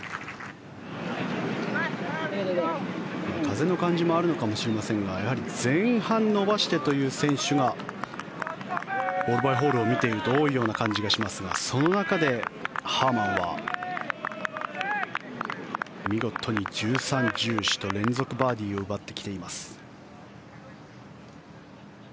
風の感じもあるのかもしれませんがやはり前半伸ばしてという選手がホールバイホールを見ていると多いような感じがしますがその中でハーマンは見事に１３、１４と連続バーディーを奪ってきています。